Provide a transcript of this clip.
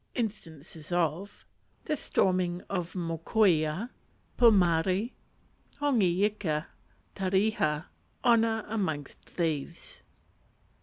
Instances of. The Storming of Mokoia. Pomare. Hongi Ika. Tareha. Honour amongst Thieves.